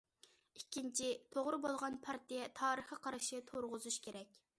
ئىككىنچى، توغرا بولغان پارتىيە تارىخى قارىشى تۇرغۇزۇش كېرەك.